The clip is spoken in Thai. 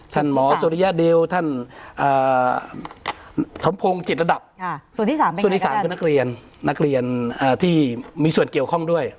ส่วนที่๓คือนักเรียนที่มีส่วนเกี่ยวข้องด้วย